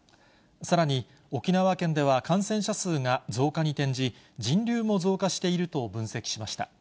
さらに、沖縄県では感染者数が増加に転じ、人流も増加していると分析しました。